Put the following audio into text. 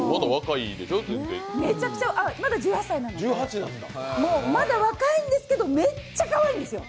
まだ１８歳なので、まだ若いんですけど、めっちゃかわいいんですよ。